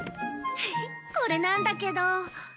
これなんだけど。